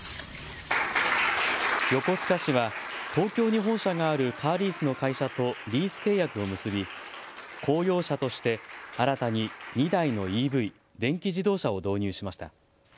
横須賀市は東京に本社があるカーリースの会社とリース契約を結び公用車として新たに２台のＥＶ・電気自動車を導入しました。